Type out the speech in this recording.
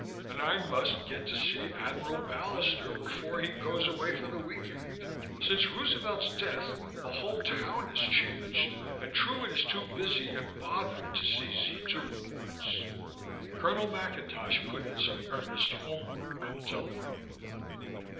And I must get to see Admiral Ballister before he goes away for the week end. Since Roosevelt's death the whole town has changed and Truman is too busy and bothered to see Z 2 reports." Colonel McIntosh put in some earnest home work on the telephone.